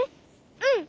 うん。